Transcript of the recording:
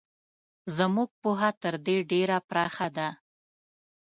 زموږ پوهه تر دې ډېره پراخه ده.